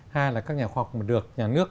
hai là các nhà khoa học được nhà nước